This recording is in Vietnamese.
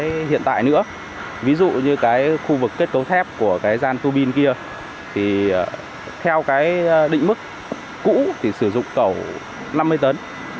cái hiện tại nữa ví dụ như cái khu vực kết cấu thép của cái gian tu bin kia thì theo cái định mức cũ thì sử dụng cẩu năm mươi tấn